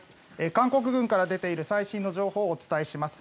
韓国軍から出ている最新の情報をお伝えします。